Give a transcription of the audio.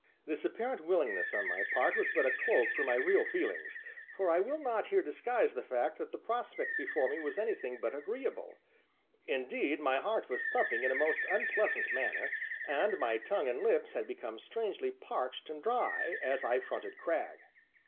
This apparent willingness on my part was but a cloak for my real feelings, for I will not here disguise the fact that the prospect before me was anything but agreeable; indeed my heart was thumping in a most unpleasant manner, and my tongue and lips had become strangely parched and dry, as I fronted Cragg.